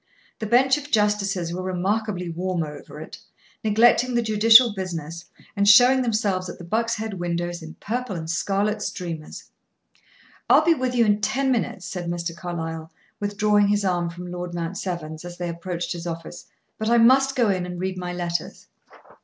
The bench of justices were remarkably warm over it, neglecting the judicial business, and showing themselves at the Buck's Head windows in purple and scarlet streamers. "I will be with you in ten minutes," said Mr. Carlyle, withdrawing his arm from Lord Mount Severn's, as they approached his office, "but I must go in and read my letters."